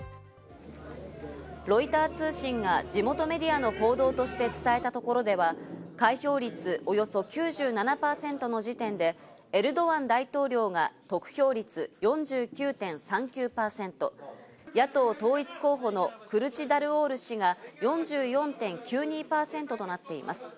ロイター通信が地元メディアの報道として伝えたところでは開票率およそ９７％の時点で、エルドアン大統領が得票率４９．３９％、野党統一候補のクルチダルオール氏が４４．９２％となっています。